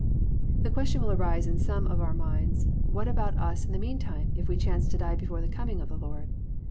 "+ The question will arise in some of our minds, what about us in the meantime if we chance to die before the coming of the Lord?